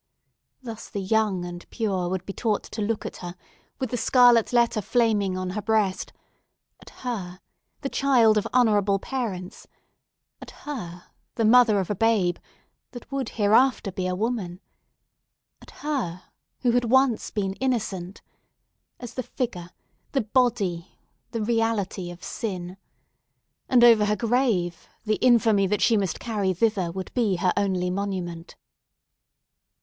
Thus the young and pure would be taught to look at her, with the scarlet letter flaming on her breast—at her, the child of honourable parents—at her, the mother of a babe that would hereafter be a woman—at her, who had once been innocent—as the figure, the body, the reality of sin. And over her grave, the infamy that she must carry thither would be her only monument.